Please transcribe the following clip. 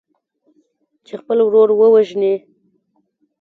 چې خپل ورور ووژني.